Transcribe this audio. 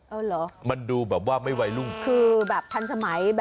เอาเหรอมันดูแบบว่าไม่วัยรุ่นคือแบบทันสมัย